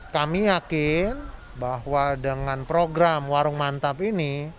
kami yakin bahwa dengan program warung mantap ini